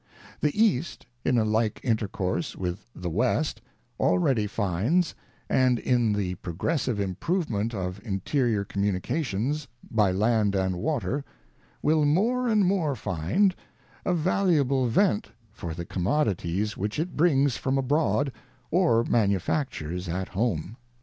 ŌĆö The East^ in a like intercourse with the West^ already finds, and in the progressive improve ment of interior communications, by land and water, will more and more find, a valu able vent for the commodities which it brings from abroad, or manufactures at home.